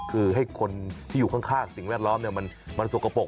คือให้คนที่อยู่ข้างสิ่งแวดล้อมมันสกปรก